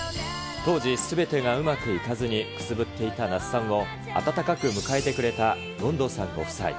当時、すべてがうまくいかずにくすぶっていた那須さんを温かく迎えてくれた権藤さん夫妻。